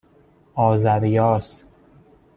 آذریاس